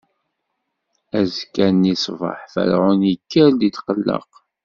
Azekka-nni ṣṣbeḥ, Ferɛun ikker-d itqelleq.